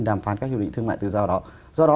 đàm phán các hiệp định thương mại tự do đó do đó